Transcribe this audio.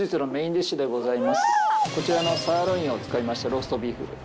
こちらのサーロインを使いましたローストビーフ。